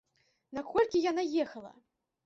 На колькі яна ехала?